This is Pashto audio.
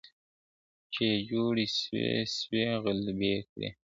چي يې جوړي سوي سوي غلبلې كړې `